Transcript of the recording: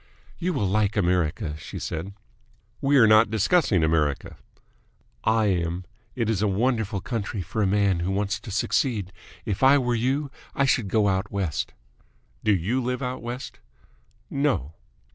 "You will like America," she said. "We are not discussing America." "I am. It is a wonderful country for a man who wants to succeed. If I were you, I should go out West." "Do you live out West?" "No."